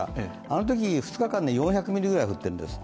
あのとき２日間で４００ミリぐらい降っているんです。